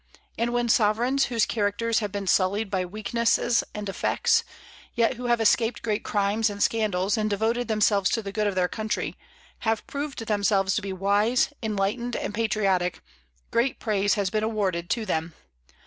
And when sovereigns whose characters have been sullied by weaknesses and defects, yet who have escaped great crimes and scandals and devoted themselves to the good of their country, have proved themselves to be wise, enlightened, and patriotic, great praise has been awarded to them.